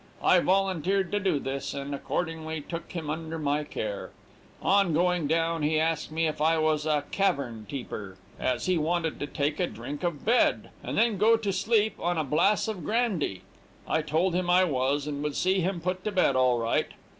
I volunteered to do this, and accordingly took him under my care. On going down, he asked me if I was a karvern teeper, as he wanted to take a drink of bed, and then go to sleep on a blass of grandy. I told him I was, and would see him put to bed all right.